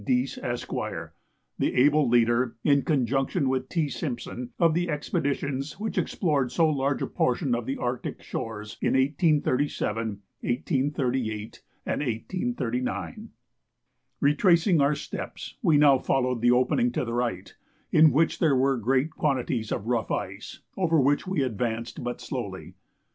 Dease, Esq., the able leader, in conjunction with T. Simpson, of the expeditions which explored so large a portion of the Arctic shores in 1837, 1838, and 1839. Retracing our steps, we now followed the opening to the right, in which there were great quantities of rough ice, over which we advanced but slowly.